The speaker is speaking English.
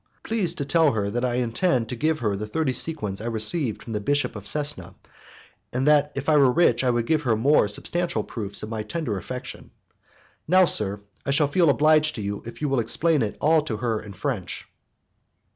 Please to tell her that I intend to give her the thirty sequins I received from the Bishop of Cesena, and that if I were rich I would give her more substantial proofs of my tender affection. Now, sir, I shall feel obliged to you if you will explain it all to her in French."